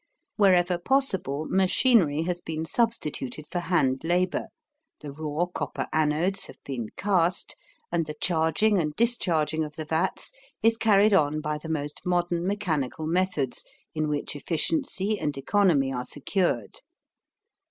Wherever possible machinery has been substituted for hand labor, the raw copper anodes have been cast, and the charging and discharging of the vats is carried on by the most modern mechanical methods in which efficiency and economy are secured.